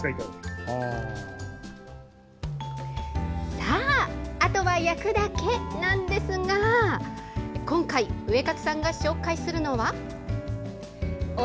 さあ、あとは焼くだけなんですが今回、ウエカツさんが紹介するのは。